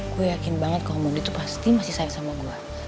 gue yakin banget komodi itu pasti masih sayang sama gue